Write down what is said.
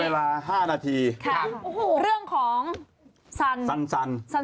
เอาล่ะครับเดี๋ยวคุณมาตัวแม่ของเรา